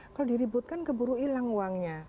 kalau diributkan keburu hilang uangnya